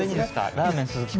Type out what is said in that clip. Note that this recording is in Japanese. ラーメン鈴木浩介。